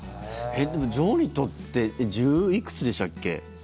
でも女王にとって１０いくつでしたっけ？